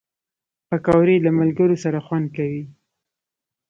پکورې له ملګرو سره خوند کوي